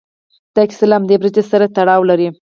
دا کیسه له همدې برج سره تړاو لري.